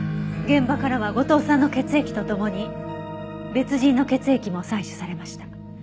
現場からは後藤さんの血液と共に別人の血液も採取されました。